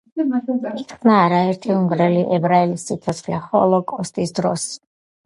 იხსნა არაერთი უნგრელი ებრაელის სიცოცხლე ჰოლოკოსტის დროს.